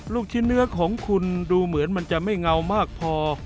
ลูกชิ้นเนื้อของคุณดูเหมือนมันจะไม่เงามากพอ